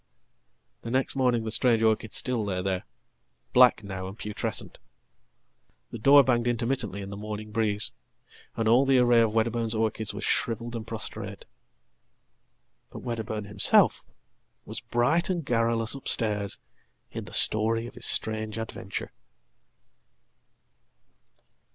The next morning the strange orchid still lay there, black now andputrescent. The door banged intermittently in the morning breeze, and allthe array of Wedderburn's orchids was shrivelled and prostrate. ButWedderburn himself was bright and garrulous upstairs in the glory of hisstrange adventure.